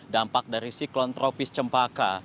dampak dari siklon tropis cempaka